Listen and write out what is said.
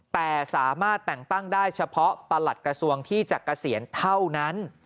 แต่สามารถแต่งตั้งได้เฉพาะประหลัดกระทรวงที่จะเกษียณเท่านั้น